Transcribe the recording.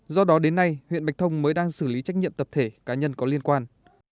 do đó đến nay huyện bạch thông mới đang xử lý trách nhiệm tập thể cá nhân có liên quan